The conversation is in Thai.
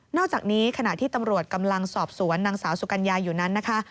อกจากนี้ขณะที่ตำรวจกำลังสอบสวนนางสาวสุกัญญาอยู่นั้นนะคะ